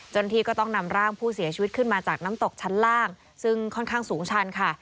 เจ้าหน้าที่ก็ต้องนำร่างผู้เสียชีวิตขึ้นมาจากน้ำตกชั้นล่างซึ่งค่อนข้างสูงชันค่ะ